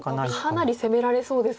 かなり攻められそうですもんね